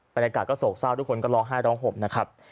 บรรยากาศก็โศกเศร้าทุกคนก็ร้องไห้ร้องห่มนะครับ